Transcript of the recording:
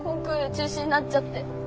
中止になっちゃって。